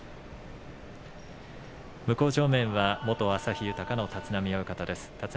向正面は元旭豊の立浪親方です。